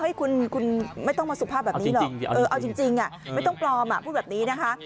คุณไม่ต้องมาสุภาพแบบนี้หรอกเอาจริงไม่ต้องปลอมพูดแบบนี้นะคะ